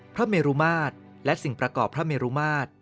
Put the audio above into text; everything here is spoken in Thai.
พระเมรุมาตรและสิ่งประกอบพระเมรุมาตร